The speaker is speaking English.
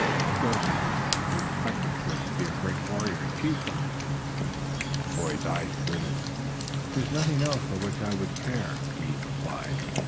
"Joseph," he said, "you expect, of course, to be a great warrior and chief some day." The boy's eyes glittered. "There is nothing else for which I would care," he replied.